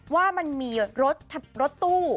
ว่ามันมีรถตู้